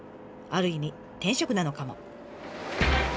ある意味天職なのかも。